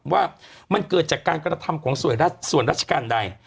ว่ามันเกิดจากการกระทำของส่วนราชการใด